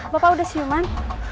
bapak udah siuman